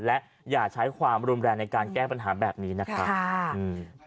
และอย่าใช้ความรุนแรงในการแก้ปัญหาแบบนี้นะครับค่ะอืม